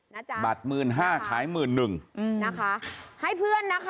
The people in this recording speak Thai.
บัตร๑๕๐๐๐บาทขาย๑๑๐๐๐บาท